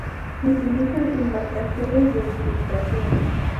Utilizan embarcaciones de infiltración.